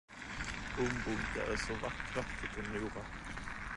Ormbunkar är så vackra, tycker Nora.